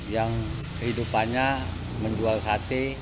yang kehidupannya menjual sate